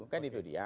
kan itu dia